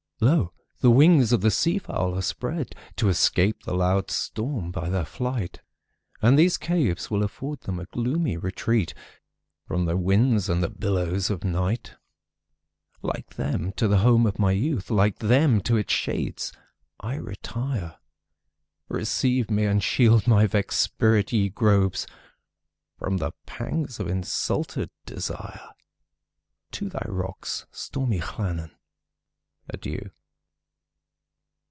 Lo! the wings of the sea fowl are spreadTo escape the loud storm by their flight; And these caves will afford them a gloomy retreatFrom the winds and the billows of night; Like them, to the home of my youth, Like them, to its shades I retire; Receive me, and shield my vexed spirit, ye groves, From the pangs of insulted desire! To thy rocks, stormy Llannon, adieu!